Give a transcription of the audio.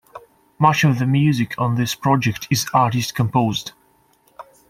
Much of the music on this project is artist composed.